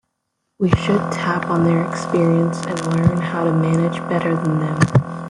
We should tap on their experience, and learn how to manage better than them.